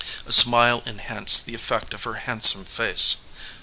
A smile enhanced the effect of her handsome face.